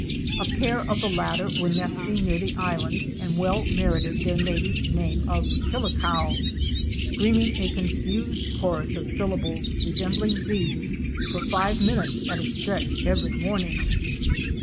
A pair of the latter were nesting near the island and well merited their native name of Killicow, screaming a confused chorus of syllables resembling these for five minutes at a stretch every morning.